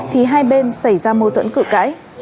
thì hai bên xảy ra mâu thuẫn cử cãi